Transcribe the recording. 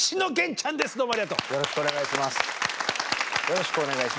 よろしくお願いします。